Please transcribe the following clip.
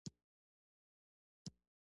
دا ساحل د مریانو بازار سره کومه اړیکه نه لرله.